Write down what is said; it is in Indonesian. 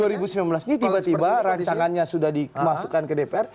ini tiba tiba rancangannya sudah dimasukkan ke dpr